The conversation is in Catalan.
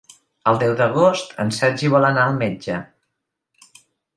El deu d'agost en Sergi vol anar al metge.